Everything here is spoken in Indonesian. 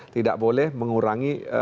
tidak boleh mengurangi